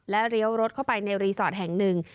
เลี้ยวรถเข้าไปในรีสอร์ทแห่งหนึ่ง